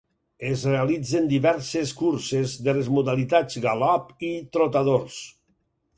Es realitzen diverses curses de les modalitats galop i trotadors.